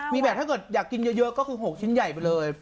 มีแบบถ้าเกิดอยากกินเยอะก็คือ๖ชิ้นใหญ่ไปเลย